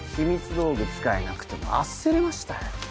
道具使えなくてもう焦りましたよ。